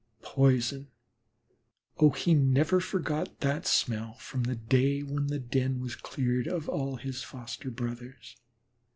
Poison! Oh, he never forgot that smell from the day when the den was cleared of all his foster brothers.